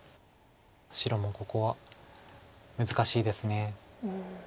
白もここは難しいです。